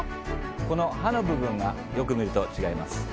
この刃の部分がよく見ると違います